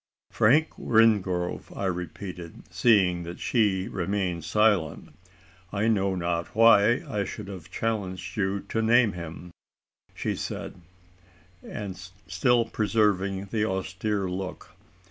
"Frank Wingrove," I repeated, seeing that she remained silent. "I know not why I should have challenged you to name him," said she, still preserving the austere look.